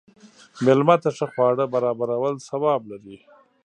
مېلمه ته ښه خواړه برابرول ثواب لري.